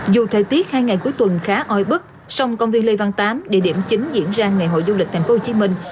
dù thời tiết hai ngày cuối tuần khá oi bức song công viên lê văn tám địa điểm chính diễn ra ngày hội du lịch thành phố hồ chí minh